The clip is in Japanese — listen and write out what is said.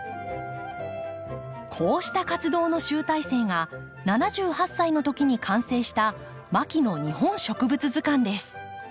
こうした活動の集大成が７８歳のときに完成した「牧野日本植物図鑑」です。